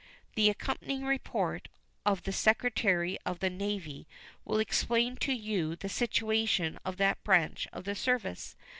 The accompanying report of the Secretary of the Navy will explain to you the situation of that branch of the service.